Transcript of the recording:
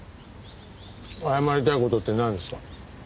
謝りたい事ってなんですか？